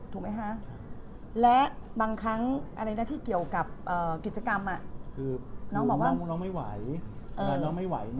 ถูกไหมฮะและบางครั้งอะไรนะที่เกี่ยวกับกิจกรรมอะ